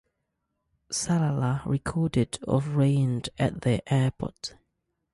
Salalah recorded of rain at their airport.